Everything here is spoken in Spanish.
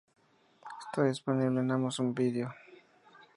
Está disponible en Amazon Video.